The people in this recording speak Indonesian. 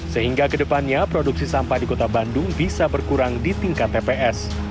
sehingga kedepannya produksi sampah di kota bandung bisa berkurang di tingkat tps